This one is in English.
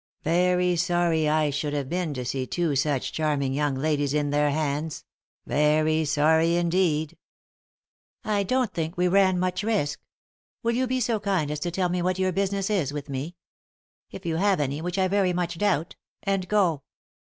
Very sorry I should have been to see two such charming young ladies in their hands — very sorry indeed" " I don't think we ran much risk. Will [you be so good as to tell me what is your business with me — if you have any, which I very much doubt — and go."